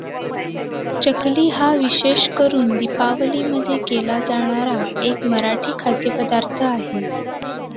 चकली हा विशेषकरून दीपावलीमध्ये केला जाणारा एक मराठी खाद्यपदार्थ आहे.